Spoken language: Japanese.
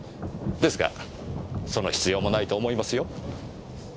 ですがその必要もないと思いますよ。